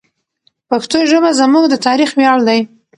پښتو ژبه زموږ د تاریخ ویاړ دی.